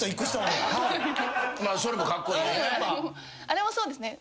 あれはそうですね。